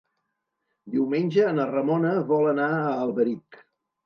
Diumenge na Ramona vol anar a Alberic.